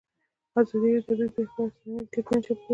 ازادي راډیو د طبیعي پېښې په اړه څېړنیزې لیکنې چاپ کړي.